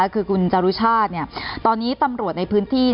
คือคุณจรุชาติตอนนี้ตำรวจในพื้นที่